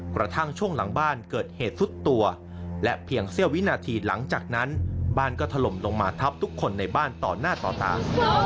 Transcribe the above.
กระทั่งช่วงหลังบ้านเกิดเหตุสุดตัวและเพียงเสี้ยววินาทีหลังจากนั้นบ้านก็ถล่มลงมาทับทุกคนในบ้านต่อหน้าต่อตา